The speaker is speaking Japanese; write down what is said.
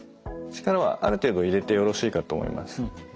力はある程度入れてよろしいかと思います。